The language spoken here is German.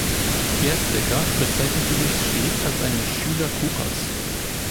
Gerstäcker bezeichnete sich stets als einen „Schüler Coopers“.